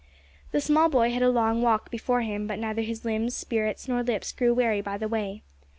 The small boy had a long walk before him; but neither his limbs, spirits, nor lips grew weary by the way.